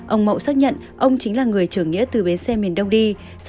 ông mậu xác nhận ông chính là người trở nghĩa từ biến xe miền đông đi